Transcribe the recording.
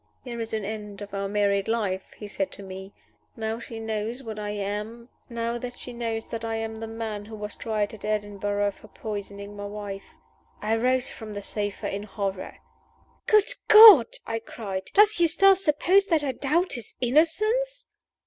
'There is an end of our married life,' he said to me, 'now she knows that I am the man who was tried at Edinburgh for poisoning my wife!"' I rose from the sofa in horror. "Good God!" I cried, "does Eustace suppose that I doubt his innocence?"